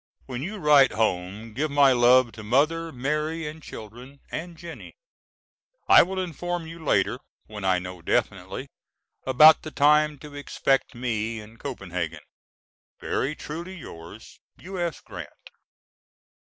When you write home give my love to Mother, Mary and children, and Jennie. I will inform you later, when I know definitely, about the time to expect me in Copenhagen. Very truly yours, U.S. GRANT.